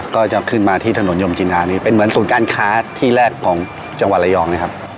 ก็จะขึ้นมาที่ถนนยมจินดานี่เป็นเหมือนศูนย์การค้าที่แรกของจังหวัดระยองนะครับ